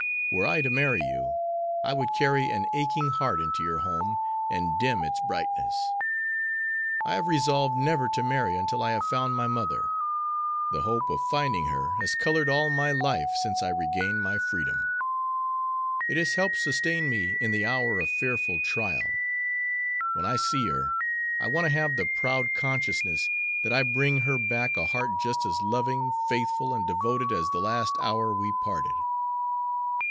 Were I to marry you I would carry an aching heart into your home and dim its brightness. I have resolved never to marry until I have found my mother. The hope of finding her has colored all my life since I regained my freedom. It has helped sustain me in the hour of fearful trial. When I see her I want to have the proud consciousness that I bring her back a heart just as loving, faithful, and devoted as the last hour we parted."